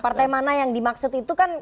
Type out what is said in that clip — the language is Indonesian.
partai mana yang dimaksud itu kan